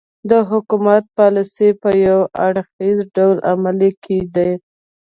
د حکومت پالیسۍ په یو اړخیز ډول عملي کېدې.